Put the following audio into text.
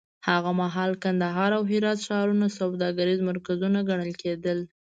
هغه مهال کندهار او هرات ښارونه سوداګریز مرکزونه ګڼل کېدل.